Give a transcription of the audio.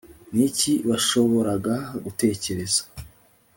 ni iki bashoboraga gutekereza